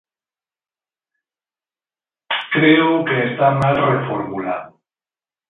Creo que está mal reformulado.